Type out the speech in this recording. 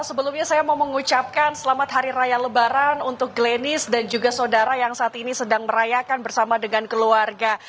sebelumnya saya mau mengucapkan selamat hari raya lebaran untuk glenis dan juga saudara yang saat ini sedang merayakan bersama dengan keluarga